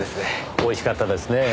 美味しかったですねぇ。